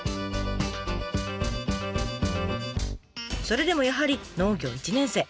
それでもやはり農業１年生。